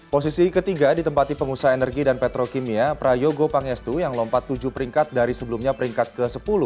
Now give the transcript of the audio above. posisi ketiga ditempati pengusaha energi dan petrokimia prayogo pangestu yang lompat tujuh peringkat dari sebelumnya peringkat ke sepuluh